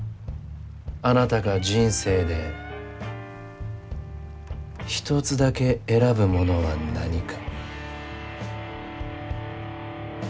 あなたが人生で一つだけ選ぶものは何か？